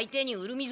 水！